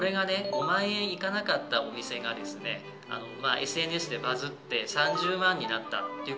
５万円いかなかったお店がですねＳＮＳでバズって３０万になったっていう事になるとですね